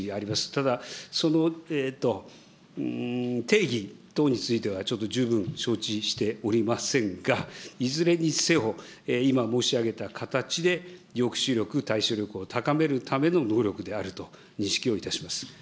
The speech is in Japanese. ただ、その定義等についてはちょっと十分承知しておりませんが、いずれにせよ、今申し上げた形で抑止力、対処力を高めるための能力であると認識をいたします。